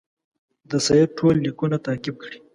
د سید ټول لیکونه تعقیب کړي.